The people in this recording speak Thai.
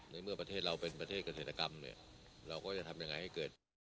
ในเมื่อประเทศเราเป็นประเทศเกษตรกรรมเนี่ยเราก็จะทำยังไงให้เกิด